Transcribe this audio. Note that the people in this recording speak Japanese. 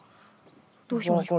どうしましょう？